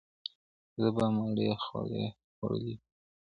زه به مړۍ خوړلي وي!!